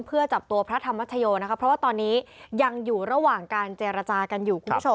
เพื่อจับตัวพระธรรมชโยนะคะเพราะว่าตอนนี้ยังอยู่ระหว่างการเจรจากันอยู่คุณผู้ชม